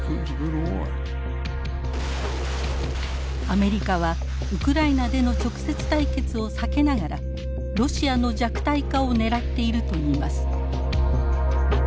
アメリカはウクライナでの直接対決を避けながらロシアの弱体化を狙っているといいます。